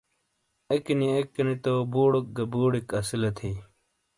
اکنیا اکنی تو بوڑوک گہ بوڑیک اسیلے تھئ۔